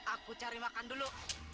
aku cari makan dulu